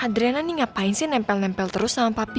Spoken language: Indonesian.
adriana nih ngapain sih nempel nempel terus sama papi